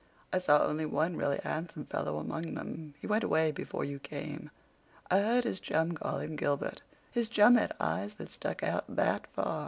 I saw only one really handsome fellow among them. He went away before you came. I heard his chum call him Gilbert. His chum had eyes that stuck out that far.